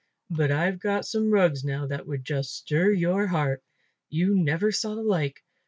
But I've got some rugs now that would just stir your heart. You never saw the like.